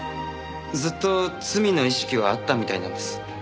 ずっと罪の意識はあったみたいなんです。